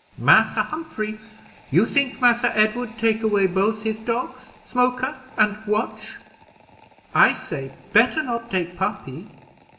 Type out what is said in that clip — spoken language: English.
Massa Humphrey, you think Massa Edward take away both his dogs, Smoker and Watch? I say better not take puppy.